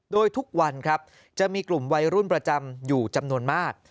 โดยทุกวันครับจะมีกลุ่มวัยรุ่นประจำอยู่จำนวนมาก